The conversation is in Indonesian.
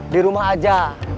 di rumah aja